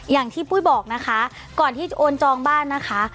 อย่างที่ปุ้ยบอกนะคะก่อนที่จะโอนจองบ้านนะคะ